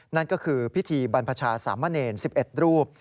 นั่นก็คือพิธีบรรพชาสามะเนร๑๑รูป